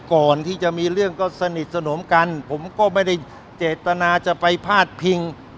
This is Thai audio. ก่อนที่จะมีเรื่องก็สนิทสนมกันผมก็ไม่ได้เจตนาจะไปพาดพิง